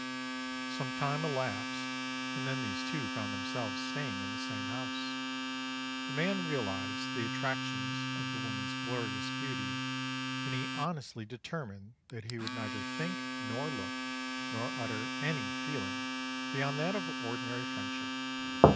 "Some time elapsed, and then these two found themselves staying in the same house. The man realised the attractions of the woman's glorious beauty, and he honestly determined that he would neither think, nor look, nor utter any feeling beyond that of ordinary friendship.